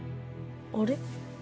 あれ。